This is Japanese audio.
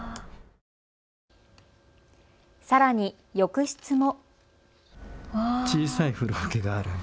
さらに浴室も。